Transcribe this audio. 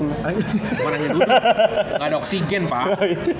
gak ada oksigen pak